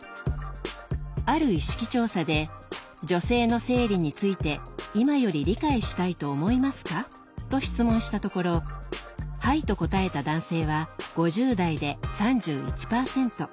ある意識調査で「女性の生理について今より理解したいと思いますか？」と質問したところ「はい」と答えた男性は５０代で３１％。